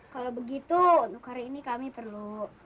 kalau begitu untuk hari ini kami perlu